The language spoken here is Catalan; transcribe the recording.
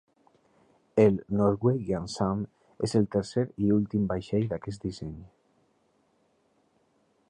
El "Norwegian Sun" és el tercer i últim vaixell d'aquest disseny.